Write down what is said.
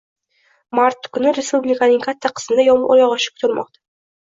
Mart kuni respublikaning katta qismida yomgʻir yogʻishi kutilmoqda.